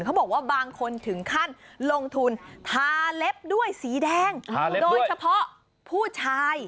เขาบอกว่าบางคนถึงขั้นลงทุนทาเล็บด้วยสีแดงโดยเฉพาะผู้ชาย